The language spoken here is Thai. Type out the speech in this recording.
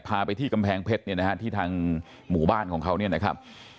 พาไปที่กำแพงเพชรเนี่ยนะฮะที่ทางหมู่บ้านของเขาเนี่ยนะครับ